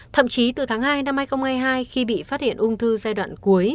thậm chí từ tháng hai năm hai nghìn hai mươi hai khi bị phát hiện ung thư giai đoạn cuối